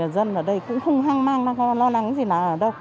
dân ở đây cũng không hoang mang lo lắng gì nào ở đâu